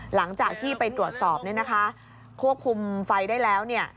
หลังจากที่ไปตรวจสอบควบคุมไฟได้แล้ว